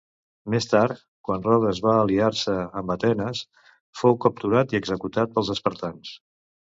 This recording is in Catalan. Més tard, quan Rodes va aliar-se amb Atenes, fou capturat i executat pels espartans.